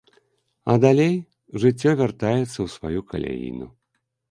А далей жыццё вяртаецца ў сваю каляіну.